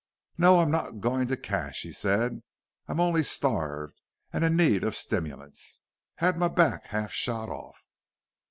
"No, I'm not going to cash," he said. "I'm only starved and in need of stimulants. Had my back half shot off."